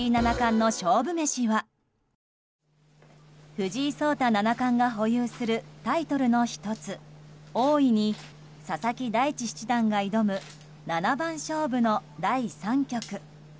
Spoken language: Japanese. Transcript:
藤井聡太七冠が保有するタイトルの１つ、王位に佐々木大地七段が挑む七番勝負の第３局。